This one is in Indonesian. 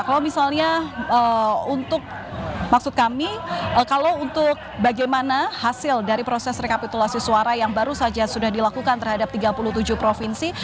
kalau misalnya untuk maksud kami kalau untuk bagaimana hasil dari proses rekapitulasi suara yang baru saja sudah dilakukan terhadap tiga puluh tujuh provinsi